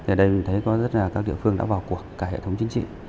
thì ở đây mình thấy có rất là các địa phương đã vào cuộc cả hệ thống chính trị